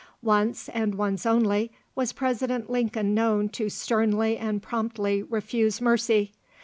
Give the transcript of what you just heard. Once, and once only, was President Lincoln known to sternly and promptly refuse mercy.